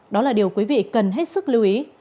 đó là điều quý vị cần hết sức lưu ý